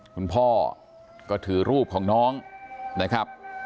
คุณพ่อก็ถือรูปของน้องนะครับ